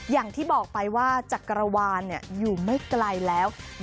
อย่างที่บอกไปว่าจักรวาลอยู่ไม่ไกลแล้ว